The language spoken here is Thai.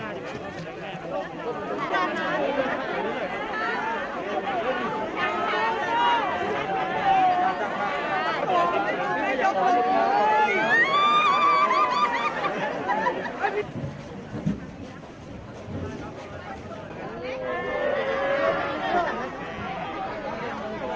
ไอ้น้องครับใครรักรัมติมาของเกือบไอ้เนียล